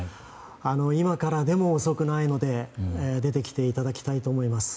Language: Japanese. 今からでも遅くないので出てきていただきたいと思います。